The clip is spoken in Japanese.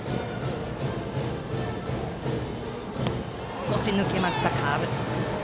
少し抜けました、カーブ。